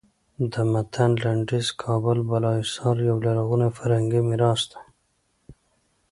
د متن لنډیز کابل بالا حصار یو لرغونی فرهنګي میراث دی.